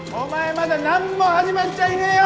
まだなんも始まっちゃいねよ！